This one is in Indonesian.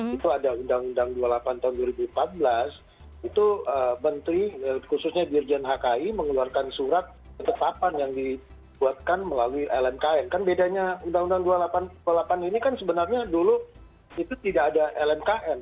itu ada undang undang dua puluh delapan tahun dua ribu empat belas itu menteri khususnya dirjen hki mengeluarkan surat ketetapan yang dibuatkan melalui lmkn kan bedanya undang undang dua ribu delapan ini kan sebenarnya dulu itu tidak ada lmkn